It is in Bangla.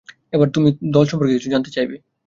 এবার তুমি দল সম্পর্কে কিছু জানতে চাইবে।